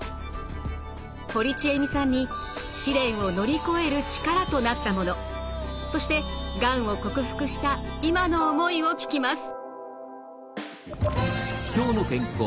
堀ちえみさんに試練を乗り越える力となったものそしてがんを克服した今の思いを聞きます。